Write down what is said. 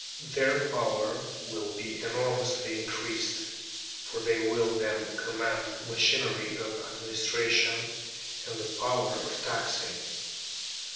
Their power will be enormously increased, for they will then command the machinery of administration, and the power of taxing.